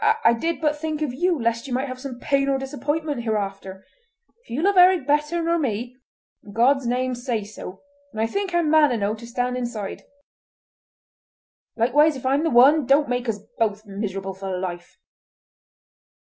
I did but think of you lest you might have pain or disappointment hereafter. If you love Eric better nor me, in God's name say so, and I think I'm man enow to stand aside. Likewise, if I'm the one, don't make us both miserable for life!"